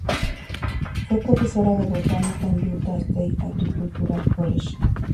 Fue profesora de botánica, en Utah State Agricultural College.